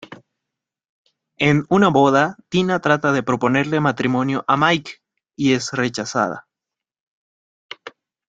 En "Una boda", Tina trata de proponerle matrimonio a Mike, y es rechazada.